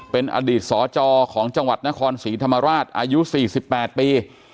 เป็นอดีตสจของจังหวัดนครศรีธรรมราชอายุ๔๘ปี